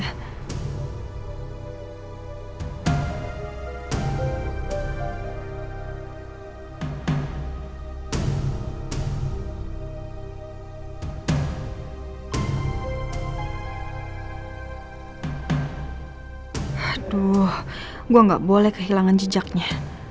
aduh gue gak boleh kehilangan jejaknya